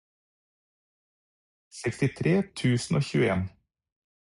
sekstitre tusen og tjueen